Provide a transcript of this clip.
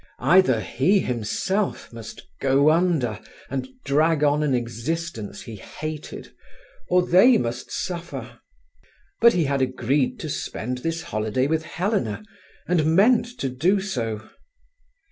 Either he himself must go under, and drag on an existence he hated, or they must suffer. But he had agreed to spend this holiday with Helena, and meant to do so.